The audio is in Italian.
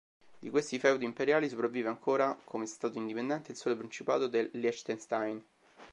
Di questi feudi imperiali sopravvive ancora come stato indipendente il solo principato del Liechtenstein.